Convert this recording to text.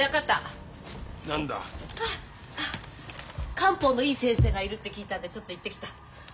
漢方のいい先生がいるって聞いたんでちょっと行ってきた。